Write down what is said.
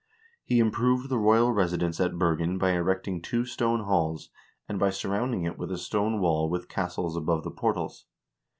He im proved the royal residence at Bergen by erecting two stone halls, and by surrounding it with a stone wall with castles above the portals.